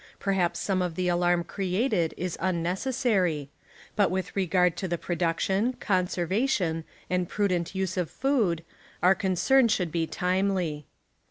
Perhaps some of the alarm created is unnecessary ; but with regard to the pro duction, conservation, and prudent use of food, our concern should be timely.